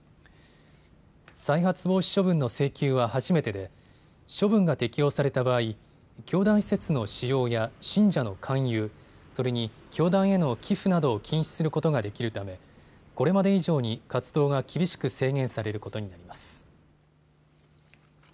再発防止処分の請求は初めてで処分が適用された場合、教団施設の使用や信者の勧誘、それに教団への寄付などを禁止することができるためこれまで以上に活動が厳しく制限されることになります。